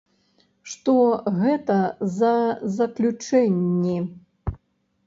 Што гэта за заключэнні?